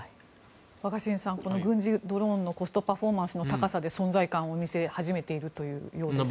若新さん、軍事ドローンのコストパフォーマンスの高さで存在感を見せ始めているようです。